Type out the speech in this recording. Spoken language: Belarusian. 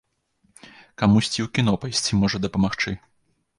Камусьці і ў кіно пайсці можа дапамагчы.